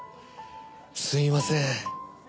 すみません。